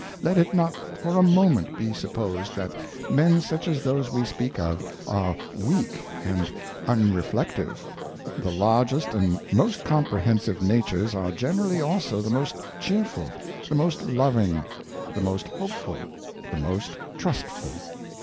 Let it not for a moment be supposed that men such as those we speak of are weak and unreflective. The largest and most comprehensive natures are generally also the most cheerful, the most loving, the most hope ful, the most trustful.